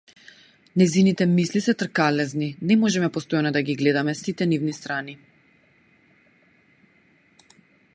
Нејзините мисли се тркалезни, не можеме постојано да ги гледаме сите нивни страни.